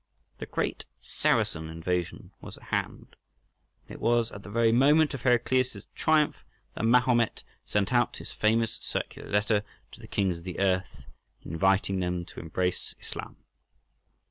The great Saracen invasion was at hand, and it was at the very moment of Heraclius' triumph that Mahomet sent out his famous circular letter to the kings of the earth, inviting them to embrace Islam.